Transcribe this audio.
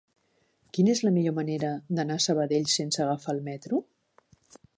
Quina és la millor manera d'anar a Sabadell sense agafar el metro?